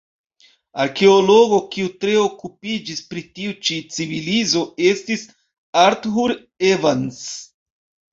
Arkeologo kiu tre okupiĝis pri tiu ĉi civilizo estis Arthur Evans.